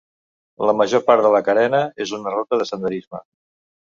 La major part de la carena és una ruta de senderisme.